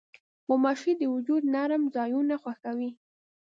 غوماشې د وجود نرم ځایونه خوښوي.